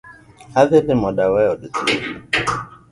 Adhii limo dawa e od thieth